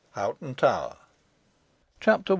Hoghton tower CHAPTER I.